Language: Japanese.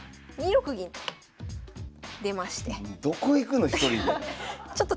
２六銀と出まして。